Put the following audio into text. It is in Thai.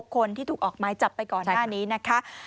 คนที่ถูกออกไม้จับไปก่อนหน้านี้นะคะ